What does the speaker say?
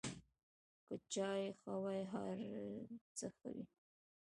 که چای ښه وي، هر څه ښه وي.